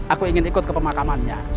aku ingin ikut ke pemakamannya